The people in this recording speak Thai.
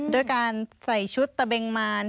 โดยการใส่ชุดตเบงมารค่ะ